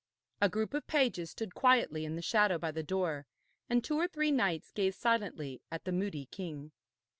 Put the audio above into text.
A group of pages stood quietly in the shadow by the door, and two or three knights gazed silently at the moody king.